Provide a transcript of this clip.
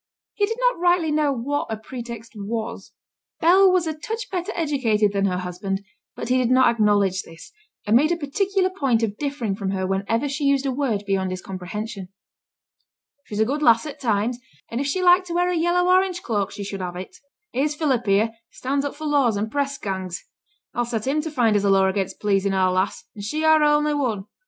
He did not rightly know what a 'pretext' was: Bell was a touch better educated than her husband, but he did not acknowledge this, and made a particular point of differing from her whenever she used a word beyond his comprehension. 'She's a good lass at times; and if she liked to wear a yellow orange cloak she should have it. Here's Philip here, as stands up for laws and press gangs, I'll set him to find us a law again pleasing our lass; and she our only one.